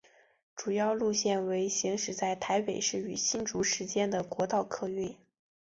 主要路线为行驶在台北市与新竹市间的国道客运。